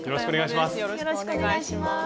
よろしくお願いします。